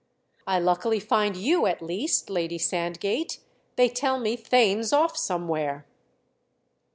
"I luckily find you at least, Lady Sandgate—they tell me Theign's off somewhere."